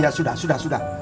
ya sudah sudah sudah